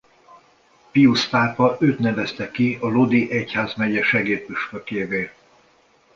Piusz pápa őt nevezte ki a Lodi egyházmegye segédpüspökévé.